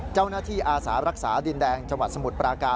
เจ้าหน้าที่อาสารักษาดินแดงจังหวัดสมุทรปรากา